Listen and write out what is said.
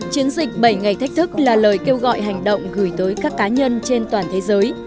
chiến dịch bảy ngày thách thức là lời kêu gọi hành động gửi tới các cá nhân trên toàn thế giới